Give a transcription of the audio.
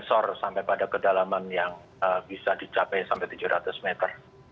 longsor sampai pada kedalaman yang bisa dicapai sampai tujuh ratus meter